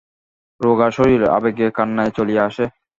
রোগা শরীর, আবেগে কান্নাই চলিয়া আসে।